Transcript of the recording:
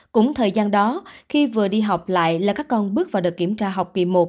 cũng thời gian đó khi vừa đi học lại là các con bước vào đợt kiểm tra học kỳ một